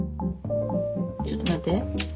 ちょっと待って。